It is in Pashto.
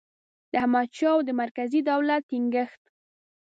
د احمدشاه او د مرکزي دولت ټینګیښت